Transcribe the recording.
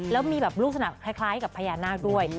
แล้วมีลูกสนับคล้ายกับพญานาคด้วย